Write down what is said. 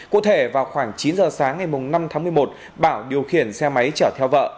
cụ thể vào khoảng chín giờ sáng ngày năm tháng một mươi một bảo điều khiển xe máy chở theo vợ